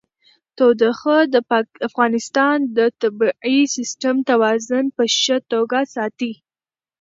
تودوخه د افغانستان د طبعي سیسټم توازن په ښه توګه ساتي.